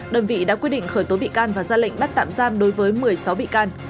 đơn vị đã quyết định khởi tố bị can và ra lệnh bắt tạm giam đối với một mươi sáu bị can